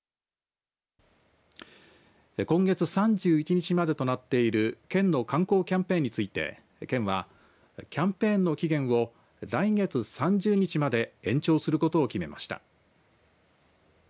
今月３１日までとなっている県の観光キャンペーンについて県はキャンペーンの期限を来月３０日まで延長することを決めました。